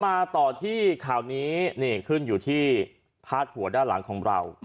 มาต่อที่ข่าวนี้นี่ขึ้นอยู่ที่พาดหัวด้านหลังของเรา